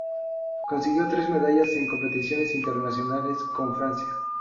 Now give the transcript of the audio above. Consiguió tres medallas en competiciones internacionales con Francia.